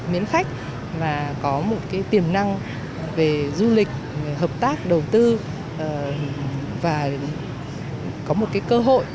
mến khách và có một cái tiềm năng về du lịch hợp tác đầu tư và có một cái cơ hội